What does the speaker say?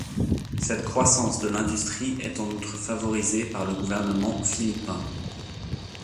Cette croissance de l'industrie est en outre favorisée par le gouvernement philippin.